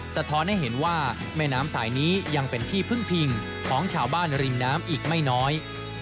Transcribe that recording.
สะท้อนให้เห็นว่าแม่น้ำสายนี้ยังเป็นที่พึ่งพิงของชาวบ้านริมน้ำอีกไม่น้อย